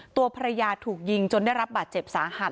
ตัวภรรยาถูกยิงจนได้รับบาดเจ็บสาหัส